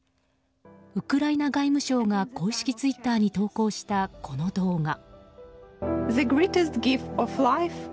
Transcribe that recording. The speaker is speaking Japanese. ウクライナ外務省が公式ツイッターに投稿したこの動画。